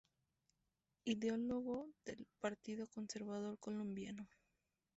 Ideólogo del Partido Conservador Colombiano.